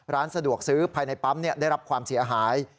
ร้านสะดวกซื้อภายในปั๊มได้รับความเสียหาย